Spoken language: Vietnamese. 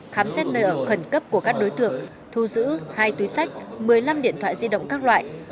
khám xét nơi ở khẩn cấp của các đối tượng thu giữ hai túi sách một mươi năm điện thoại di động các loại